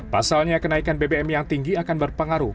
pasalnya kenaikan bbm yang tinggi akan berpengaruh